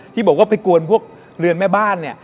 ที่บอกว่าไปกวนพวกเรือนแม่บ้านเนี่ย